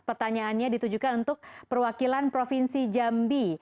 pertanyaannya ditujukan untuk perwakilan provinsi jambi